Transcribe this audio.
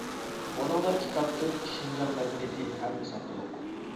بۇنىڭدا كىتابتىن شىنجاڭ مەدەنىيىتى ھەممە سان تولۇق.